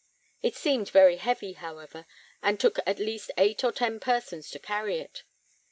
It seemed very heavy, however, and took at least eight or ten persons to carry it.